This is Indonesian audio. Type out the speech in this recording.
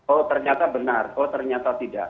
oh ternyata benar oh ternyata tidak